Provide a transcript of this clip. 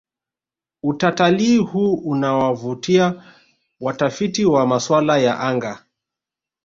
utatalii huu unawavutia watafiti wa maswala ya anga